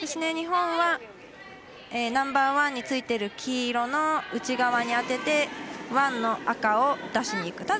日本はナンバーワンについている黄色の内側に当ててワンの赤を出しにいく。